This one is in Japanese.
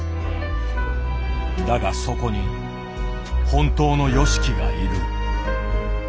だがそこに本当のＹＯＳＨＩＫＩがいる。